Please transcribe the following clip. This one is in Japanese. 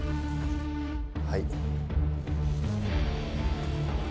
はい。